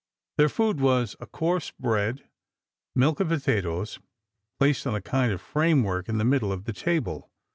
Their food was a coarse bread, milk and potatoes, placed on a kind of framework in the middle of the table.